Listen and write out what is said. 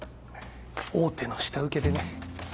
大手の下請けでね。